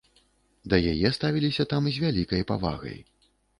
Да яе ставіліся там з вялікай павагай.